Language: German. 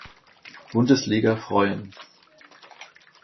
Bundesliga freuen.